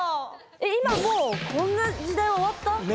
えっ今もうこんな時代は終わった？ね。